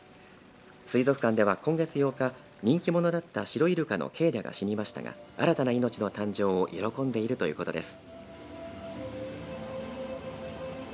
水族館では今月８日人気者だったシロイルカのケーリャが死にましたが新たな命の誕生を喜んでいるということです。